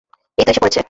এইতো এসে পড়েছে!